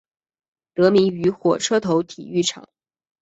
得名于火车头体育场。